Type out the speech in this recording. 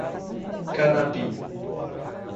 Canapi